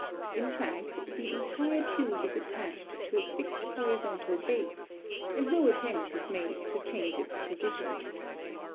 In fact, the entire tube is attached to a fixed horizontal base, and no attempt is made to change its position.